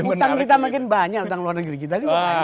utang kita makin banyak utang luar negeri kita